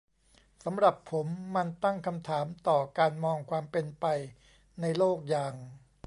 สำหรับผม มันตั้งคำถามต่อการมองความเป็นไปในโลกอย่าง